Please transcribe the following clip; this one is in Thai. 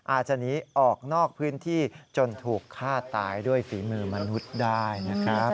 อาจจะหนีออกนอกพื้นที่จนถูกฆ่าตายด้วยฝีมือมนุษย์ได้นะครับ